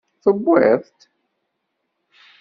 Tewwiḍ-t?